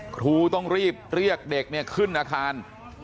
ครูต้องรีบเรียกเด็กขึ้นอาคาร